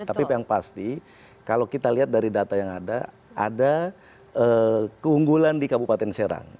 tapi yang pasti kalau kita lihat dari data yang ada ada keunggulan di kabupaten serang